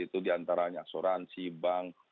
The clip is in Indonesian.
itu diantaranya asuransi bank